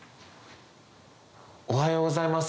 おはようございます。